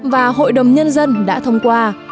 và hội đồng nhân dân đã thông qua